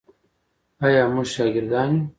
آیا موږ شاکران یو؟